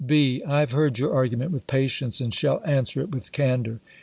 B. I have heard your argument with patience, and shall answer it with candour.